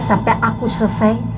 sampai aku selesai